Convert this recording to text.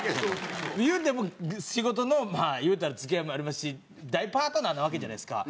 言うても仕事のまあ言うたら付き合いもありますし大パートナーなわけじゃないですか。